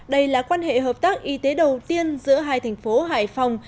đây là quan hệ hợp tác y tế đầu tiên giữa hai thành phố hải phòng